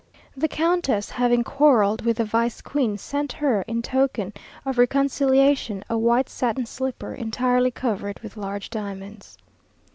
The countess having quarrelled with the vice queen, sent her, in token of reconciliation, a white satin slipper, entirely covered with large diamonds.